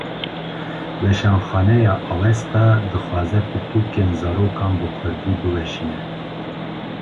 Weşanxaneya Avesta, dixwaze pirtûkên zarokan bi Kurdî biweşîne